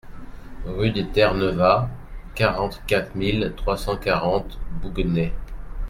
Rue des Terres-Neuvas, quarante-quatre mille trois cent quarante Bouguenais